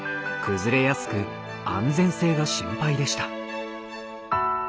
崩れやすく安全性が心配でした。